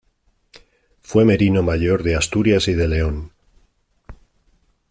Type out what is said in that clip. Fue merino mayor de Asturias y de León.